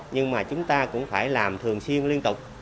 nhưng mà chúng ta cũng phải làm thường xuyên liên tục